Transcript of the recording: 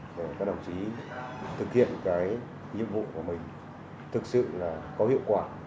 để các đồng chí thực hiện cái nhiệm vụ của mình thực sự là có hiệu quả